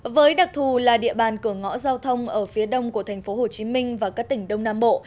với đặc thù là địa bàn cửa ngõ giao thông ở phía đông của thành phố hồ chí minh và các tỉnh đông nam bộ